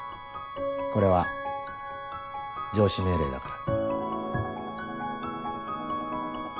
これは上司命令だから。